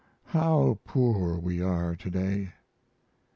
How poor we are to day!